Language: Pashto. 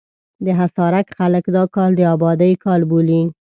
د حصارک خلک دا کال د ابادۍ کال بولي.